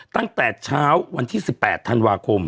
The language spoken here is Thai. ตั้งแต่เช้าวันที่๑๘ธันวาคม